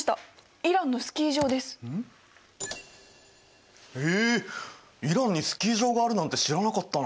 イランにスキー場があるなんて知らなかったな。